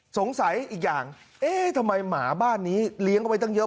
สงสัยอีกอย่างเอ๊ะทำไมหมาบ้านนี้เลี้ยงเอาไว้ตั้งเยอะ